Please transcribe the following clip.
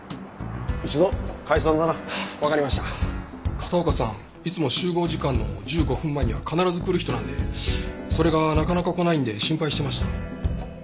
片岡さんいつも集合時間の１５分前には必ず来る人なんでそれがなかなか来ないんで心配してました。